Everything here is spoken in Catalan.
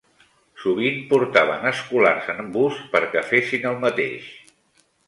Sovint portaven escolars en bus perquè fessin el mateix.